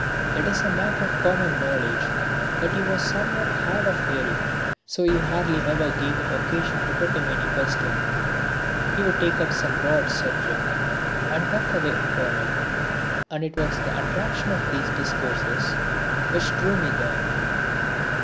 It is a matter of common knowledge that he was somewhat hard of hearing, so he hardly ever gave me occasion to put him any question. He would take up some broad subject and talk away upon it, and it was the attraction of these discourses which drew me there.